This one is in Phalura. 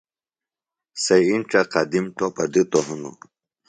سےۡ اِنڇہ قدِم ٹوپہ دِتوۡ ہِنوۡ